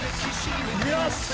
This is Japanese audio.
よし！